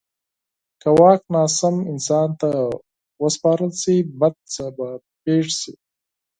که واک ناسم انسان ته وسپارل شي، بد څه به پېښ شي.